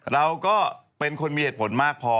เราก็เป็นคนมีเหตุผลมากพอ